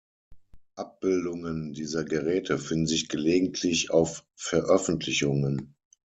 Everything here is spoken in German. Abbildungen dieser Geräte finden sich gelegentlich auf Veröffentlichungen.